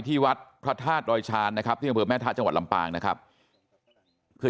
ที่วัดพระธาตุดอยชาญนะครับที่อำเภอแม่ทะจังหวัดลำปางนะครับเพื่อ